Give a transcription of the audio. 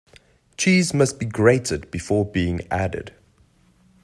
Cheese must be grated before being added.